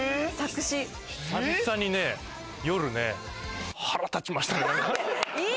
久々にね、夜ね、腹立ちましたね。